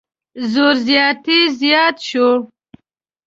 زور زیاتی زیات شو.